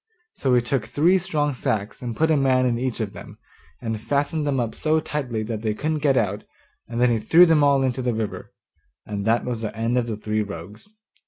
So he took three strong sacks and put a man in each of them, and fastened them up so tightly that they couldn't get out, and then he threw them all into the river; and that was the end of the three rogues.